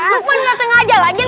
gue pun nggak sengaja lagi